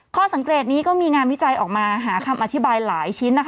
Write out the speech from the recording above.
ข้อสังเกตนี้ก็มีงานวิจัยออกมาหาคำอธิบายหลายชิ้นนะคะ